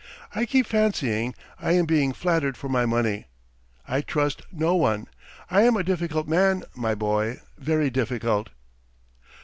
I keep fancying I am being flattered for my money. I trust no one! I am a difficult man, my boy, very difficult!"